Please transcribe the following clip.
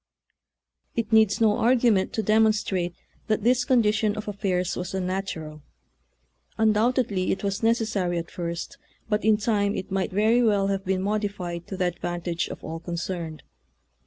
It needs no argument to demonstrate that this condition of affairs was unnat ural. Undoubtedly it was necessary at first, but in time it might very well have been modified to the advantage of all con cerned.